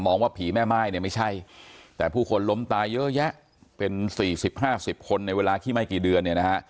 ว่าผีแม่ม่ายเนี่ยไม่ใช่แต่ผู้คนล้มตายเยอะแยะเป็น๔๐๕๐คนในเวลาที่ไม่กี่เดือนเนี่ยนะฮะ